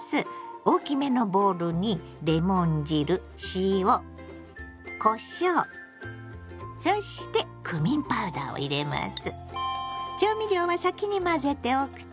大きめのボウルにレモン汁塩こしょうそしてクミンパウダーを入れます。